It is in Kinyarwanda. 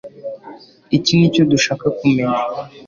iki nicyo dushaka kumenya